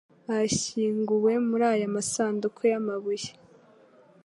bashyinguwe muri aya masanduku yamabuye